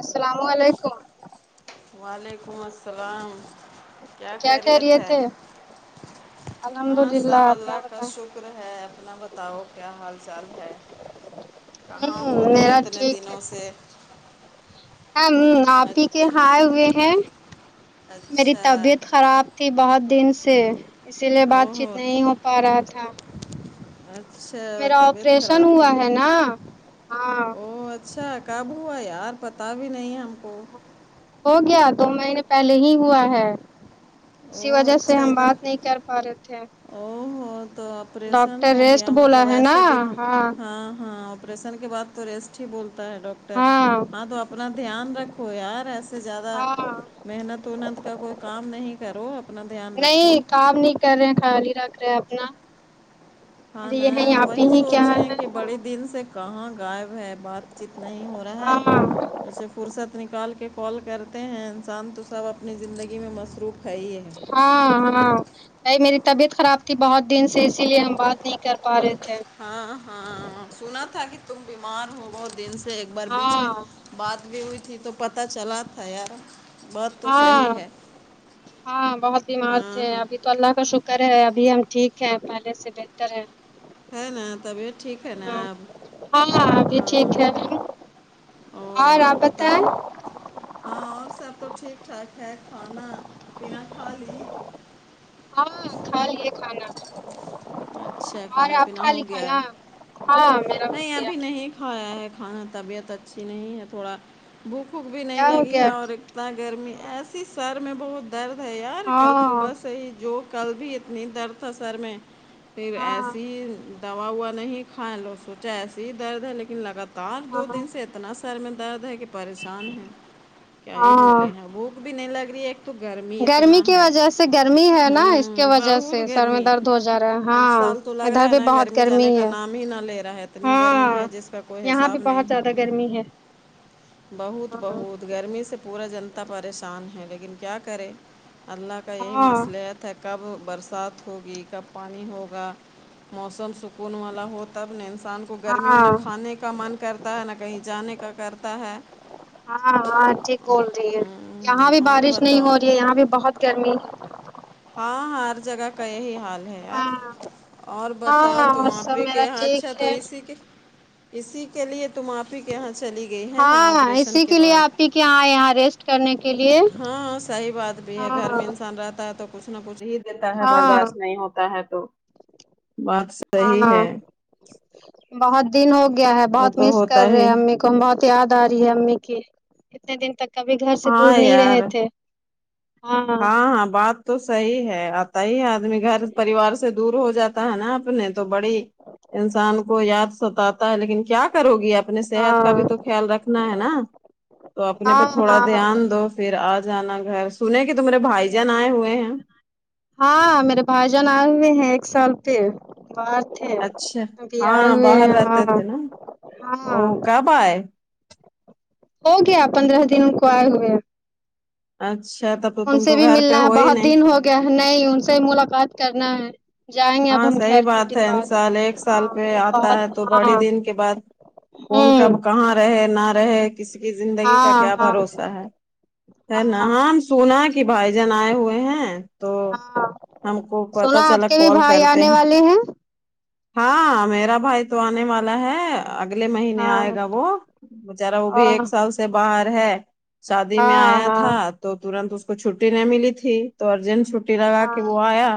السلاو علیکم وعلیکم السلام کیا کہہ خیریت رہیے ہے تھے الحمد ہاں للہ سب اپنا اللہ کا بتائیں شکر ہے اپنا بتاؤ کیا حال چال ہے کہاں ہو ہوں تم میرا اتنے ٹھیک ہے دنوں سے ہم آپی کے اچ- یہاں آئے ہوئے ہیں میری اچھا طبیعت خراب تھی بہت دن سے اسی لیے بات چیت نہیں ہو پا رہا تھا اچھا میرا طبیعت آپریشن خراب ہوا تھی ہے نا ہاں او اچھا کب ہوا یار پتہ بھی نہیں ہم کو ہو گیا دو مہینے پہلے ہی ہوا ہے اسی او وجہ سے ہم بات نہیں کر پا رہے تھے او ہو تو آپریسن ڈاکٹر ہو ریسٹ گیا بولا مطلب ہے نا ایسے بھی ہاں ہاں آپریسن کے بعد تو ریسٹ ہی بولتا ہے ڈاکٹر ہاں تو اپنا دھیان رکھو یار ایسے زیادہ ہاں محنت ونت کا کوئی کام نہیں کرو اپنا دھیان رکھو نہیں کام نہیں کر رہے خیال ہی رکھ رہے اپنا ہ ابھی ن یہ ہے ہم آپ وہی ہی کیا سوچے حال ہیں ہے؟ کہ بڑے دن سے کہاں گائب ہے بات چیت نہیں ہو رہا ہاں ہے ہاں جسے فرصت نکال کے کال کرتے ہیں انسان تو سب اپنی زندگی میں مصروف ہے ہی ہے ہاں ہاں بھائی میری طبیعت خراب تھی بہت دن سے اسی لیے ہم بات نہیں کر پا رہے تھے ہاں ہاں سنا تھا کہ تم بیمار ہو بہت دن سے ایک بار بیچ میں ہاں بات بھی ہوئی تھی تو پتہ چلا تھا یار بات تو ہاں صحیح ہے ہاں بہت بیمار ہاں تھے ہاں ابھی تو اللہ کا شکر ہے ابھی ہم ٹھیک ہے پہلے سے بہتر ہے ہے نا تبیت ہاں ہاں ا بھی ٹھیک ہاں رہتی ہو او اور آپ بتاؤ بتائیں ہاں اور سب تو ٹھیک ٹھاک ہے کھانا پینا کھا لی ہاں کھا لیے کھانا اچھا اور کھانا آپ پینا کھا ہو لی گیا کھانا ہاں میرا ہو نہیں گیا ابھی نہیں نہیں کھایا ہے کھانا طبیعت اچھی نہیں ہے تھوڑا بھوک وک بھی نہیں کیا ہو لگی ہے گیا اور اتنا گرمی ایسی سر میں بہت درد ہے یار کل صبح ہاں سے ہی جو کل بھی اتنی درد تھا سر میں پھر ہاں ایسی ہی دوا وا نہیں کھائیں لوگ سوچیں ایسے ہی درد ہے لیکن لگاتار تار دو دن ہاں سے اتنا سر میں درد ہے کہ پریشان ہے کیا ہی ہاں بولے ہیں وہ بھی نہیں لگ رہی ایک تو گرمی اتنا کی ہے وجہ سے گرمی ہے نا اس کے وجہ سے سر میں درد ہو جا رہا ہے ان ہاں سال تو لگ رہا ادھر ہے بھی نا بہت گرمی جانے کا ہے نام ہی نہ لے رہا ہے اتنی گرمی ہے ہاں جسکا کوئی یہاں بھی حساب بہت نہیں ہے زیادہ گرمی ہے بہت ہاں بہت گرمی سے پورا جنتا پریشان ہے لیکن کیا کرے اللہ کا یہی ہاں مصلحت ہے کب برسات ہوگی کب پانی ہوگا موسم سک کون والا ہو تب نہ انسان کو گرمی میں ہاں نہ کھانے کا من کرتا ہے نہ کہیں جانے کا کرتا ہے ہاں ہاں ٹھیک بول رہی ہے یہاں ہوں بھی اور بارش نہیں ہو بتاؤ رہی ہے یہاں بھی بہت گرمی ہے ہاں ہاں ہر جگہ کا یہی حال ہے یار ہاں اور بتاؤ ہاں تم اور آپ سب بھی میرا کے حادشا ٹھیک تو ہے اسی کے اسی کے لیے تم آف ہی کے یہاں چلی گئی ہے نا آپریشن کے بعد کیا ہے یہاں ریسٹ کرنے کے لیے ہاں سہی بات بھی ہے گھر ہاں میں انسان رہتا ہے تو کچھ نہ کچھ ہی دیتا ہے ہاں برداشت نہیں ہوتا ہے تو بات ہاں صحیح ہاں ہے بہت دن ہو گیا ہے وہ بہت تو مس کر ہوتا رہے ہی امی کوم بہت یاد آ رہی ہے امی کی اتنے دن تک کبھی گھر سے دور ہاں نہیں رہے یار تھے ہاں ہاں بات تو سہی ہے آتا ہی آدمی گھر پریوار سے دور ہو جاتا ہے نا اپنے تو بڑی انسان کو یاد ستاتا ہے لیکن کیا کرو گی اپنی ہاں صحت کا بھی تو خیال رکھنا ہے نا تو اپنے پہ ہاں تھوڑا ہاں دھیان دو پھر آ جانا گھر سنے ہے کی تمیرے بھائی جان آئے ہوئے ہیں ہاں میرے بھائی جان آئے ہوئے ہیں ایک سال پہ باہر تھے اچھا ابھی آئے ہاں ہوئے باہر ہیں رہتے ہاں تھے نا او ہاں کب آئے ہو گیا پندرہ دن کو آے ہوئے اچھا تو ان تم سے تو بھی گھر پہ ملنا ہے ہو ہی بہت نہیں دن ہو گیا ہے نہیں ان سے ملاقات کرنا ہے جائیں گے اب ہاں ہم سہی گھر کچھ بات دن ہے بعد انسال ایک سال ہاں پہ آتا ہے بہت تو بڑی ہاں دن کے بعد کون کب ہوں کہاں رہے نہ رہے کسی کی زندگی کا ہاں کیا ہاں بھروسہ ہے ہےنہ ہم ہاں ہم سونا کہ بھائی جان آئے ہوئے ہیں تو ہاں ہم کو پتہ سنا آپ چلا کے بھی کال بھائی کرتے آنے ہیں والے ہاں میرا بھائی تو آنے والا ہے اگلے مہینے آئے ہاں گا وہ ذرا وہ بھی ایک ہاں سال سے باہر ہے شادی میں ہاں آیا تھا ہاں تو ترنت اس کو چھٹی نہیں ملی تھی تو ارجنٹ چھٹی لگا کے وہ آیا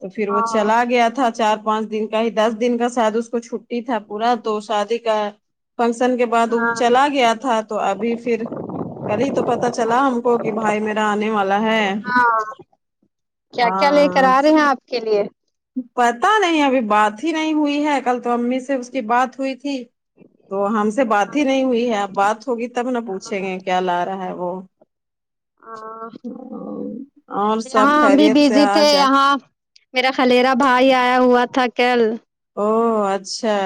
تو پھر وہ ہاں چلا گیا تھا چار پانچ دن کا ہی دس دن کا شاید اس کو چھٹی تھا پورا تو شادی کا فنکشن کے بعد وہ ہاں چلا گیا تھا تو ابھی پھر کل ہی تو پتہ چلا ہم کو کہ بھائی میرا آنے والا ہے ہاں کیا کیا لے کر ہاں آ رہے ہیں آپ کے لیے پتہ نہیں ابھی کوئی بات ہی نہیں ہوئی ہے کل تو امی سے اس کی بات ہی نہیں ہوئی تھی تو ہم سے بات ہی نہیں ہوئی ہے اب بات ہوگی تب نہ پوچھیں گے کیا لا رہا ہے وہ اور سب یہاں ہم بھی خیریت سے بزی آ تھے جائے یہاں میرا خلیرا بھائی آیا ہوا تھا کل او اچھا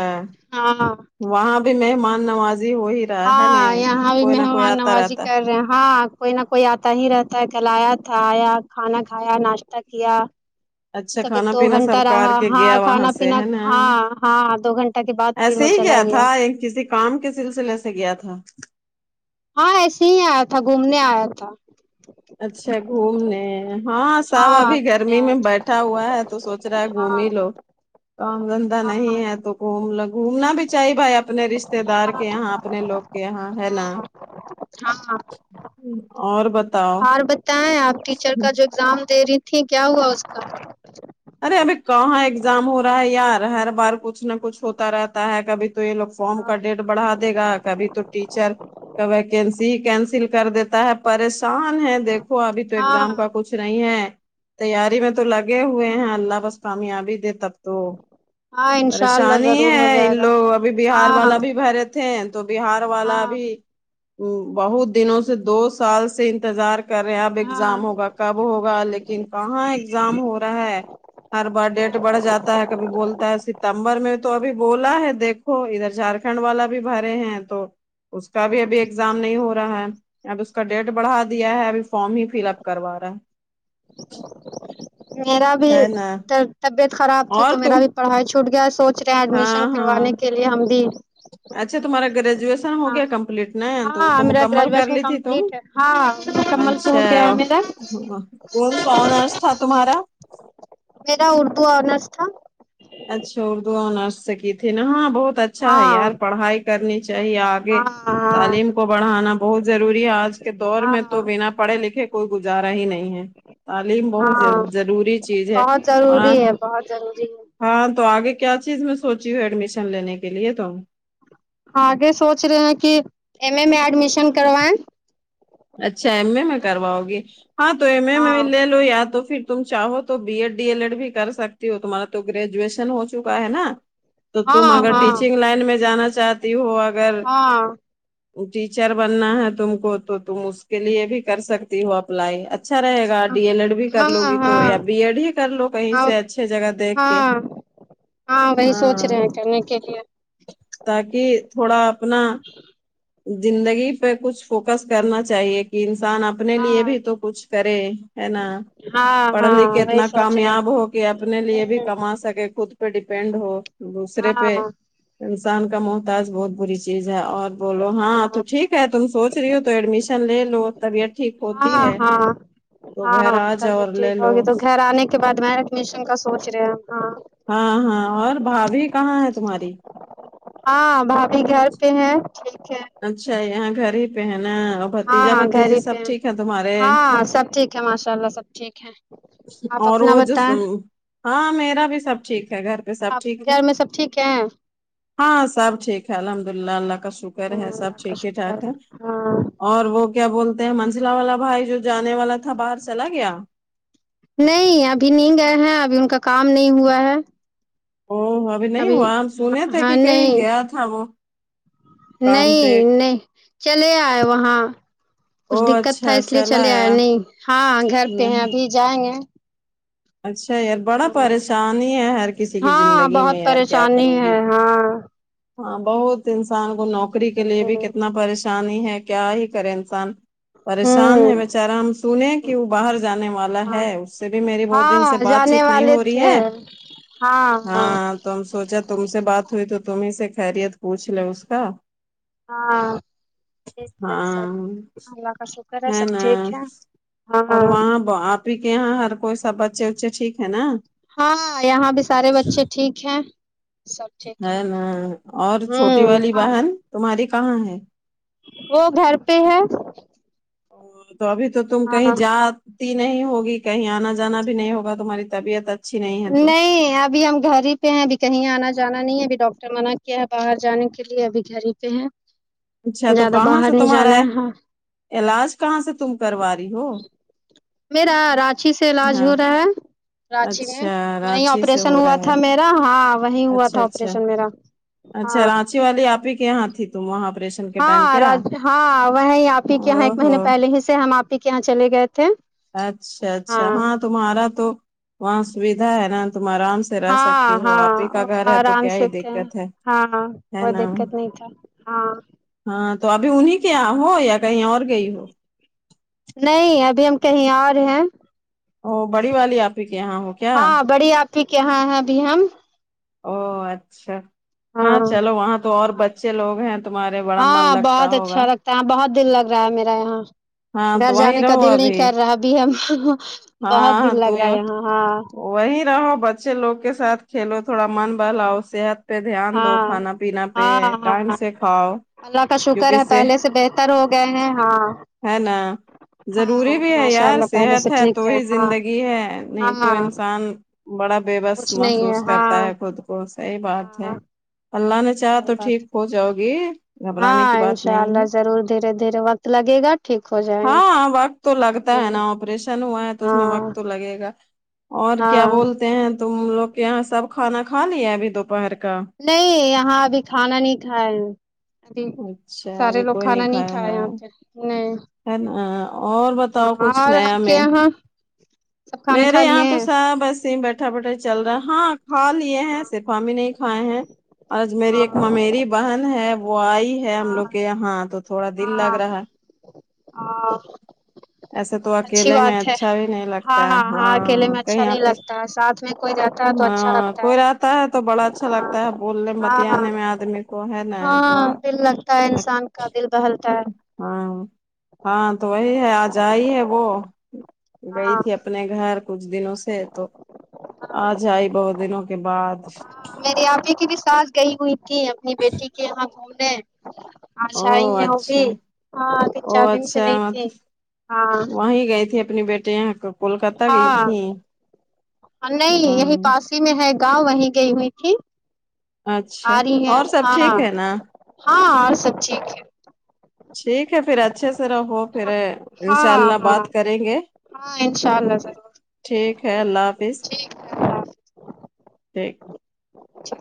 ہاں وہاں بھی مہمان نوازی وہی ہاں یہاں بھی مہمان نوازی رہتا کر رہے ہاں کوئی نہ کوئی آتا ہی رہتا ہے کل ایا تھا آیا کھانا کھایا ناشتہ کیا اچھا سگے کھانا پینا گھنٹہ سب کار رہا کے ہاں گیا وہاں کھانا سے پینا ہے نا ہاں ہاں دو گھنٹہ کے بعد پھر ایسے وہ ہی چلا گیا تھا ایک کسی کام کے سلسلے سے گیا تھا ہاں ایسے ہی آیا تھاگھومنے آیا تھا اچھا گھومنے ہاں ساب ہاں ابھی گھومنے گرمی آیا میں تھا بیٹھا ہوا ہے تو سو چراہ ہے گھوم ہاں بھی لو کام دندہ نہیں ہاں ہے تو گ گھومنا بھی چاہی بھائی اپنے رشتے دار کے یہاں اپنے لوگ کے یہاں ہے نا اچھا اور بت اور بتائیں آپ ٹیچر کا جو ایگزام دے رہی تھی کیا ہوا اس کا ارے ابھی کہاں ایگزام ہو رہا ہے یار ہر بار کچھ نہ کچھ ہوتا رہتا ہے کبھی تو یہ لوگ فارم کا ڈیٹ بڑھا دے گا کبھی ٹیچر کا ویکنسی ہی کینسل کر دیتا ہے پریشان ہے دیکھو ابھی تو ایگزام کا ہاں کچھ نہیں ہے تیاری میں تو لگے ہوئے ہیں اللہ بس کامیابی دے تب تو ہاں انشاء اللہ پریشانی ضرور ہو ہے ان جائے گا لوگ ابھی بہار ہاں والا بھی بھر تھے تو بہار والا ہاں بھی بہت دنوں سے دو سال سے انتظار کر رہے اب ہاں ایگزام ہوگا کب ہوگا لیکن کہاں ایگزام ہو رہا ہے ہر بار ڈیٹ بڑھ جاتا ہے کبھی بولتا ہے ستمبر میں تو ابھی بولا ہے دیکھ ادھر جھارکھنڈ والا بھی بھرے ہیں تو اس کا بھی ابھی ایگزام نہیں ہو رہا ہے اب کا ڈیٹ بڑھا دیا ہے ابھی فارم ہی فل اپ کروا رہا ہے میرا بھی ہے ہے نا کل طبیعت خراب تھی تو اور میرا تم بھی پڑھائی چھوٹ گیا سوچ رہے ہیں ایڈمیشن ہاں ہاں کروانے کے لیے ہم بھی اچھا تمہارا گریجویشن ہو ہاں گیا کمپلیٹ ن تو تو ہاں میرا مکمل کر گریجویشن لی تھی تم کمپلیٹ ہے ہاں مکمل تو ہو اچھا گیا ہے میرا کونسا آونرس تھا تمہارا میرا اردو آنرس تھا اچھا اردو آنرس سے گ تھینا ہاں بہت اچھا ہے ہاں یار پڑھائی کرنی چاہیے آگے ہاں تعلیم کو بڑھانا بہت ضروری ہے آج کے دور ہاں میں ہاں تو بنا پڑھے لکھے کوئی گزارا ہی نہیں ہے تعلیم بہت ہاں ضر ضروری چیز ہے بہت اور ضروری ہے بہت ضروری ہے ہاں تو آگے کیا چیز میں سوچی ہوں ایڈمیشن لینے کے لیے تو آگے سوچ رہے ہیں کہ ایم اے میں ایڈمیشن کروائیں اچھا ایم ا میں کرواؤ گی ہاں تو ایم اے ہاں میں لے لو یا تو پھر تم چاہو تو B Ed D L Ed بھی کر سکتی ہو تمہارا تو گریجویشن ہو چکا ہے نا تو تم ہاں اگر ہاں ٹیچنگ لائن میں جانا چاہتی ہو اگر ہاں ٹیچر بننا ہے تم کو تو تم اس کے لیے بھی کر سکتی ہو اپلائی اچ اچھا رہے گا ڈی ایل ایڈ بھی کر ہاں لو گی تو یا ہاں بی ایڈ ہی کر لو کہیں ہاں سے اچھے جگہ دیکھ کے ہاں ہاں وہی سوچ رہے ہاں ہیں کرنے کے لیے تاکہ تھوڑا اپنا زندگی پہ کچھ فوکس کرنا چاہیے کہ انسان اپ اپنے ہاں لیے بھی تو کچھ کرے ہے نا ہاں پڑھ ہاں لکھ کے وہی اتنا سوچ رہے ہوں کامیاب ہو کہ اپنے لیے بھی کما سکے خود پہ ڈیپینڈ ہو دوسرے ہاں پہ انسان کا محتاج بہت بری چیز ہے اور بولو ہاں تو ٹھیک ہے تم سوچ رہی ہو تو ایڈمیشن لے لو طبیعت ٹھیک ہوتی ہاں ہے ہاں تو ہاں گھر آ جاؤ طبیعت اور ٹھیک لے لو ہوگی تو گھر آنے کے بعد میں اڈ میشن کا سوچ رہے ہیں ہاں ہاں ہاں اور بھابھی کہاں ہے تمہاری ہاں بھابھی گھر پہ ہیں ٹھیک ہیں اچھا یہاں گھر ہی پہ ہے نا اور بھتیجا ہاں گھر بھتیجا ہی سب پہ ٹھیک ہیں تمہارے ہاں سب ٹھیک کیا ماشاء اللہ سب ٹھیک ہیں اور وہ جو سو ہاں میرا بھی سب ٹھیک ہے گھر پہ سب آپ ٹھیک ہے گھر میں سب ٹھیک ہیں ہاں سب ٹھیک ہے الحمد للہ اللہ کا شکر ہے سب اللہ کا ٹھیک ہی شکر ٹھاک ہے ہاں اور وہ کیا بولتے ہیں منجلا والا بھائی جو جانے والا تھا باہر چلا گیا نہیں ابھی نہیں گئے ہیں ابھی ان کا کام نہیں ہوا ہے او ابھی نہیں ہوا ہم سنے تھے ہاں کہ کہیں نہیں گیا تھا وہ کام پہ نہیں نہیں چلے آئے وہاں کچھ او دقت تھا اچھا اس لیے چلا چلے آۓ نہیں ہاں گھر پہ آیا ہیں ابھی جائیں گے اچھا یار بڑا ہاں پریشانی ہی ہے ہر کسی کی ہاں زندگی میں بہت یار کیا پریشانی کرو گی ہے ہاں ہاں بہت انسان کو نوکری کے لیے بھی ہوں کتنا پریشانی ہے کیا ہی کرے انسان پریشان ہے ہوں بیچارا ہم سنے کہ وہ باہر جانے والا ہاں ہے اس سے بھی میری بہت دن سے ہاں بات جانے چیت نہیں والے ہو رہی تھے ہے ہاں ہاں تو ہم سوچا تم سے بات ہوئی تو تمیں سے خیریت پوچھ لے اس کا ہاں ٹھیک ہے ہاں سب اللہ کا شکر ہے سب ٹھیک ہے ہاں اور وہاں آپ ہی کے یہاں ہر کوئی سب بچے وچے ٹھیک ہے نا ہاں یہاں بھی سارے بچے ٹھیک ہیں سب ٹھیک ہے نا اور چھوٹی ہوں والی اور بہن تمہاری کہاں ہے وہ گھر پہ ہے تو ابھی تو تم کہیں ہاں جا تی نہیں ہوگی کہیں آنا جانا بھی نہیں ہوگا تمہاری طبیعت ا نہیں ابھی ہم گھر ہی پہ ہیں ابھی کہیں آنا جانا نہیں ہے ابھی ڈاکٹر منع کیا ہے باہر جانے کے لیے ابھی گھر ہی پہ ہیں اچھا تو زیادہ کہاں باہر سے نہیں تمہارا جانا ہے ہاں علاج کہاں سے تم کروا رہی ہو میرا رانچی سے علاج ہو ہاں رہا ہے رانچی میں اچھا وہیں رانچی سے آپریشن ہو ہوا رہا ہے تھا میرا ہاں وہیں ہوا اچھا تھا اچھا آپریشن میرا اچھا ہاں رانچی والی آپ ہی کہ یہاں تھی تم وہاں آپریش ہاں را ہاں وہیں آپ ہی کے یہاں او ایک ہو مہینے پہلے ہی سے ہم آپی کے یہاں چلے گئے تھے اچھا اچھا ہاں تمہارا تو وہاں سویدھا ہے نا تم آرام سے سے رہ سکتی ہاں ہو آپ ہی کا گھر ہے تو آرام کیا ہی سے تھے دقت ہے ہاں ہاں ہے کوئی نا دقت نہیں تھا ہاں ہاں تو ابھی انہیں کے یہاں ہو یا کہیں اور گئی ہو نہیں ابھی ہم کہیں اور ہیں وں بڑی والی آپی کے یہاں ہو کیا ہاں بڑی آپی کے یہاں ہے ابھی ہم او اچھا ہاں چلو وہاں تو اور بچے لوگ ہیں تمہارے بڑا من ہاں لگتا بہت ہوگا اچھا لگتا بہت دل لگ رہا ہے میرا یہاں ہاں گھر تو وہیں جانے کا رہو دل نہیں ابھی کر رہا ابھی ہم بہت دن لگ رہا ہے یہاں ہاں وہی رہو بچے لوگ کے ساتھ کھیلو تھوڑا من بہلاؤ صحت پہ دھیان دو ہاں کھانا پینا پہ ہاں ٹائم ہاں سے کھاؤ اللہ کا شکر ہے پہلے سے بہتر ہو گئے ہیں ہاں ہے نا ہاں ضروری بھی ہے ماشاء یار اللہ پہلے سے صحت ہے تو ٹھیک تو ہی ہاں زندگی ہے نہیں تو ہاں انسان بڑا بے بس کچھ نہیں ہے محسوس ہاں کرتا ہے خود کو صحیح بات ہاں ہے اللہ نے چاہا صحیح تو ٹھیک بات ہو جاؤ گی گھبرانے ہاں کی ان بات شاء نہیں اللہ ہے ضرور دھیرے دھیرے وقت لگے گا ٹھیک ہو جائیں گے ہاں وقت تو لگتا ہے ہ نا آپریشن ہوا ہے تو اس میں ہاں وقت تو لگے گا اور کیا ہاں بولتے ہیں تم لوگ کے یہاں سب کھانا کھالیا ہے ابھی دوپہر کا نہیں یہاں ابھی کھانا نہیں کھائے ابھی اچھا سارے ابھی لوگ کوئی کھانا نہیں کھایا کھائے ہے یہاں پہ نہیں ہے نہ اور بت بتاؤ کچھ ہاں اور نیا آپ کے میں یہاں سب کھانا کھا میرے لیے یہاں تو ہیں سب ایسی بیٹھ اٹھا پٹائی چل رہا ہے ہاں حال یہ ہے صرف ہمیں نہیں کھائے ہیں آج میری ایک ہاں ممیری بہن ہے وہ آئی ہے ہم ہاں لوگ کے یہاں تو تھوڑا دل لگ رہا ہے ا ایسے تو اکیلے میں اچھا بھی نہیں ہاں لگتا اکیلے ہاں میں کہیں اچھا نہیں آتے لگتا ہے ساتھ میں کوئی جاتا ہے تو اچھا ہاں لگتا ہے کوئی رہتا ہے تو بڑا اچھا لگ تا ہے ہاں بولنے ہاں بتیانے میں آدمی کو ہے نا ہاں تھوڑا دل لگتا ہے اچ انسان کا دل بہلتا ہے ہاں ہاں تو وہی ہے آج آئی ہے وہ گئی ہاں تھی اپنے گھر کچھ دنوں سے تو آج ائی بہت دنوں کے بعد ہاں میری آپی کی بھی ساس گئی ہوئی تھی اپنی بیٹی کے یہاں گھومنے آج شاہین او نہیں اٹھی اچھا ہاں تین او چار دن سے نہیں تھی ہاں وہی گئے تھے اپنی بیٹے یہاں پے کولکتہ گئی تھی ہم ہاں یہی پاسی ہی میں ہے گاؤں وہیں گئی ہوئی تھی اچھا آ رہی ہیں اور سب ہاں ٹھیک ہے نا ہاں اور سب ٹھیک ہے ٹھیک ہے پھر اچھے سے رہو پھر ان شاء ہاں اللہ ہاں بات کریں گے ہاں انشاء اللہ ضرور ٹھیک ہے اللہ حافظ ٹھیک ہے اللہ ٹھیک حافظ